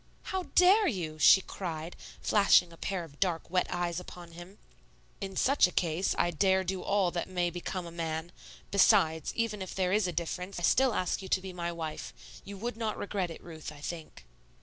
"How dare you?" she cried, flashing a pair of dark, wet eyes upon him. "In such a case, 'I dare do all that may become a man.' Besides, even if there is a difference, I still ask you to be my wife. You would not regret it, Ruth, I think."